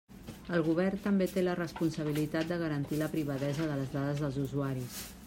El govern també té la responsabilitat de garantir la privadesa de les dades dels usuaris.